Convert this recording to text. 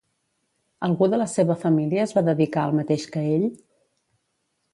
Algú de la seva família es va dedicar al mateix que ell?